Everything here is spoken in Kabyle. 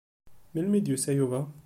Melmi i d-yusa Yuba?